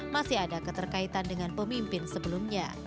masih ada keterkaitan dengan pemimpin sebelumnya